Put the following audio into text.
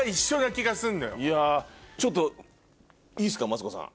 ちょっといいっすかマツコさん。